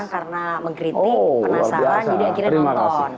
karena mengkritik penasaran jadi akhirnya nonton